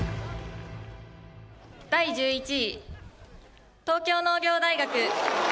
第１１位、東京農業大学。